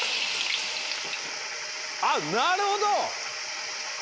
あっなるほど！